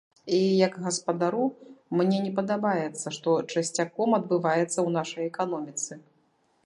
І як гаспадару мне не падабаецца, што часцяком адбываецца ў нашай эканоміцы.